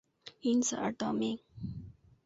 因此而得名。